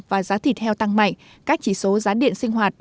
và giá thịt heo tăng mạnh các chỉ số giá điện sinh hoạt